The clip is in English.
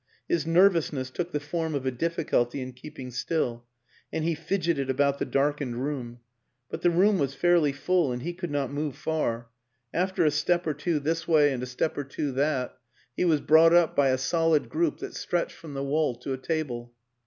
His nervousness took the form of a difficulty in keeping still, and he fidgeted about the darkened room; but the room was fairly full, and he could not move far after a step or two this way and WILLIAM AN ENGLISHMAN 271 a step or two that, he was brought up by a solid group that stretched from the wall to a table.